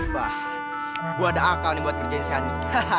wah gue ada akal nih buat kerjain cyani